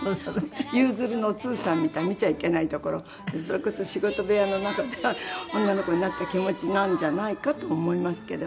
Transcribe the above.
『夕鶴』のおつうさんみたいに見ちゃいけないところそれこそ仕事部屋の中では女の子になった気持ちなんじゃないかと思いますけど。